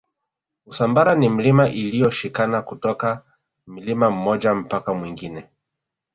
usambara ni milima iliyoshikana kutoka mlima mmoja mpaka mwingine